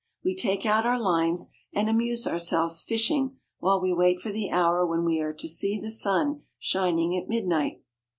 We take out our lines, and amuse ourselves fishing while we wait for the hour when we are to see the sun shining at midnight.